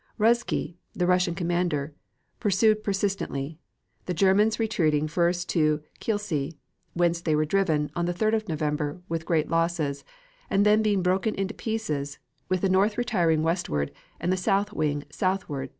Ruzsky, the Russian commander, pursued persistently; the Germans retreating first to Kielce, whence they were driven, on the 3d of November, with great losses, and then being broken into two pieces, with the north retiring westward and the south wing southwest toward Cracow.